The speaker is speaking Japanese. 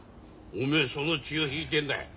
おめえその血を引いてんだよ。